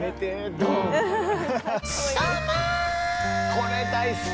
これ大好き！